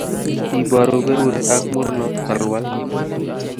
Iboru berur ak mornot kalwal